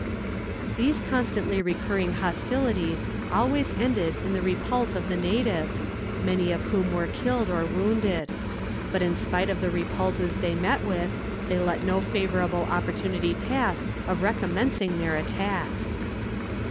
These constantly recurring hostilities always ended in the repulse of the natives, many of whom were killed or wounded. But in spite of the repulses they met with, they let no favourable opportunity pass of recommencing their attacks.